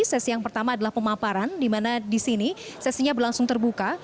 sesi yang pertama adalah pemaparan di mana di sini sesinya berlangsung terbuka